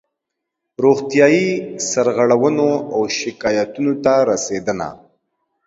روغتیایي سرغړونو او شکایاتونو ته رسېدنه